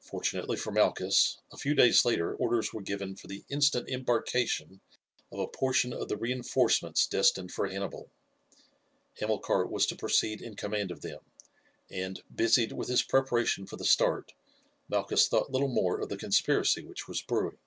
Fortunately for Malchus, a few days later orders were given for the instant embarkation of a portion of the reinforcements destined for Hannibal. Hamilcar was to proceed in command of them, and, busied with his preparation for the start, Malchus thought little more of the conspiracy which was brewing.